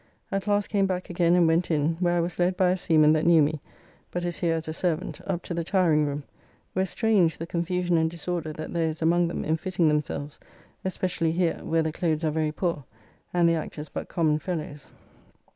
At last came back again and went in, where I was led by a seaman that knew me, but is here as a servant, up to the tireing room, where strange the confusion and disorder that there is among them in fitting themselves, especially here, where the clothes are very poor, and the actors but common fellows.